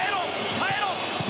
耐えろ！